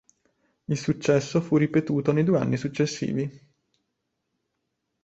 Il successo fu ripetuto nei due anni successivi.